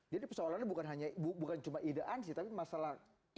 jadi persoalan ini bukan hanya idean sih tapi masalah keadilan